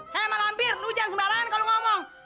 hei malam bir lu jangan sembarangan kalau ngomong